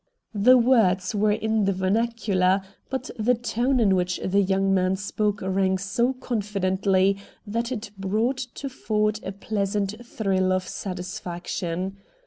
The words were in the vernacular, but the tone in which the young man spoke rang so confidently that it brought to Ford a pleasant thrill of satisfaction.